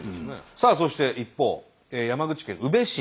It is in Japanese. さあそして一方山口県宇部市。